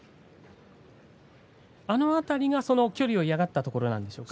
あの辺りが距離を嫌がったところなんでしょうか。